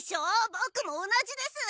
ボクも同じです！